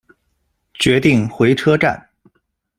决定回车站